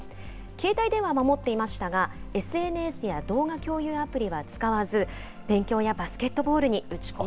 携帯電話は持っていましたが、ＳＮＳや動画共有アプリは使わず、勉強やバスケットボールに打ち込